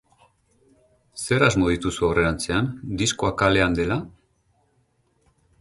Zer asmo dituzu aurrerantzean, diskoa kalean dela?